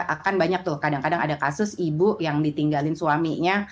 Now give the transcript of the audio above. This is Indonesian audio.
akan banyak tuh kadang kadang ada kasus ibu yang ditinggalin suaminya